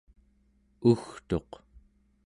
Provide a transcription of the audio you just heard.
ugtuq